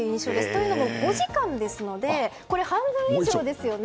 というのも５時間ですので半分以上ですよね。